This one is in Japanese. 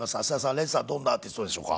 れんさんどんなアーティストでしょうか？